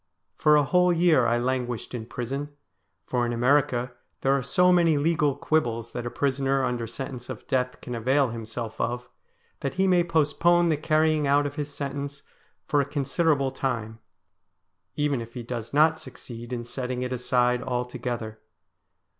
For a whole year I languished in prison, for in America there are so many legal quibbles that a prisoner under sentence of death can avail himself of, that he may postpone the carrying out of his sentence for a considerable time, even if he does not succeed in setting it aside altogether.